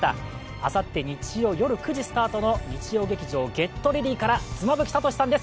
あさって日曜夜９時スタートの日曜劇場「ＧｅｔＲｅａｄｙ！」から妻夫木聡さんです。